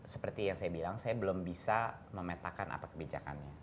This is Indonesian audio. seperti yang saya bilang saya belum bisa memetakan apa kebijakannya